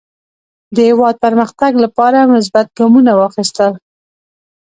د هېواد پرمختګ لپاره مثبت ګامونه واخیستل.